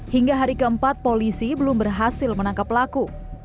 hingga hari keempat polisi belum berhasil menangkap pelaku